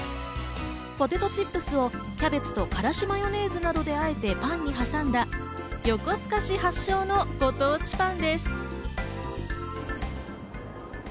ポテトチップスをキャベツとからしマヨネーズなどであえてパンに挟んだ横須賀市発祥のご当地パンです。